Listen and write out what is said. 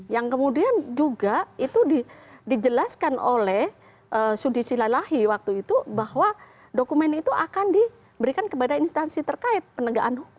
yang kemudian juga itu dijelaskan oleh sudi silalahi waktu itu bahwa dokumen itu akan diberikan kepada instansi terkait penegakan hukum